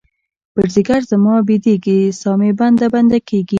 پر ځیګــر زما بیدیږې، سا مې بنده، بنده کیږې